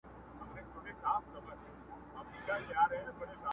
چي مي دري نیوي کلونه کشوله٫